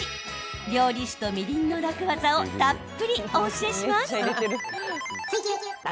料理酒とみりんの楽ワザをたっぷりお教えします。